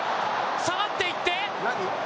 下がっていって。